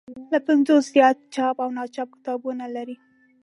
له پنځوسو زیات چاپ او ناچاپ کتابونه لري.